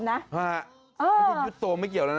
ใช่ครับยุทศโมไม่เกี่ยวแล้วนะ